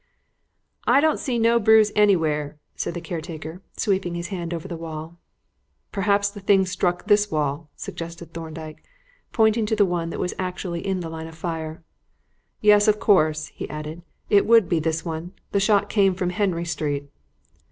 "I don't see no bruise anywhere," said the caretaker, sweeping his hand over the wall. "Perhaps the thing struck this wall," suggested Thorndyke, pointing to the one that was actually in the line of fire. "Yes, of course," he added, "it would be this one the shot came from Henry Street."